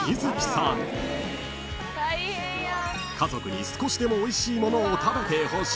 ［家族に少しでもおいしい物を食べてほしい］